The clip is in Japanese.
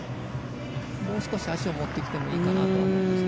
もう少し足を持ってきてもいいかなと思うんですけど。